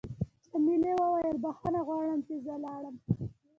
جميلې وويل: بخښنه غواړم چې زه لاړم.